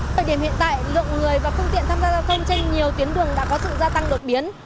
thời điểm hiện tại lượng người và phương tiện tham gia giao thông trên nhiều tuyến đường đã có sự gia tăng đột biến